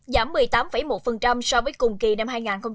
giảm một mươi tám một so với cùng kỳ năm hai nghìn một mươi tám